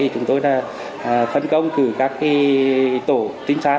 chúng tôi đã phân công từ các tổ tính sát